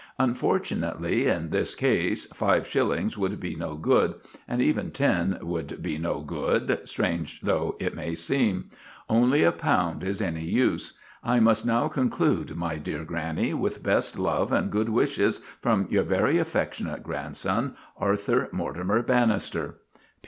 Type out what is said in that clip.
Unfortunately, in this case, five shillings would be no good, and even ten would be no good, strange though it may seem. Only a pound is any use. I must now conclude, my dear grannie, with best love and good wishes from your very affectionate grandson, "ARTHUR MORTIMER BANNISTER.